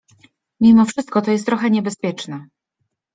— Mimo wszystko to jest trochę niebezpieczne.